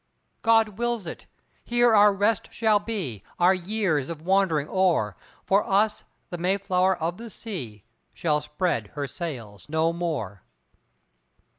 "God wills it: here our rest shall be, Our years of wandering o'er, For us the Mayflower of the sea Shall spread her sails no more."